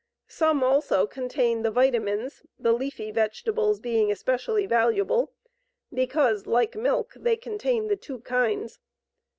Some also contain the vitamines, the leafy vegetables being especially valuable because, like milk, they contain the two kinds.